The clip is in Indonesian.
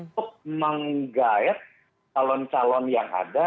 untuk menggayat calon calon yang ada